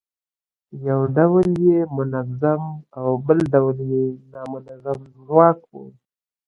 یو ډول یې منظم او بل ډول یې نامنظم ځواک و.